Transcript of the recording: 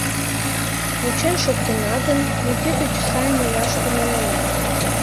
Вучен шуктена гын, нигӧ деч сайын илаш тӱҥалына.